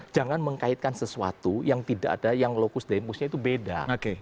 jangan mengkaitkan sesuatu yang tidak ada yang lokus demosnya itu beda